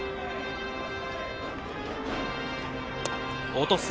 落とす。